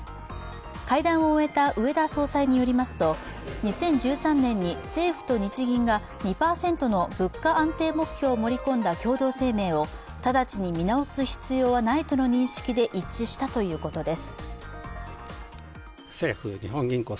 会談を終えた植田総裁によりますと２０１３年に政府と日銀が２％の物価安定目標を盛り込んだ共同声明を直ちに見直す必要はないとの認識で一致したということです。